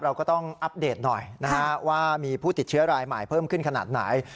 เราก็ต้องอัปเดตหน่อยนะฮะว่ามีผู้ติดเชื้อรายใหม่เพิ่มขึ้นขนาดไหน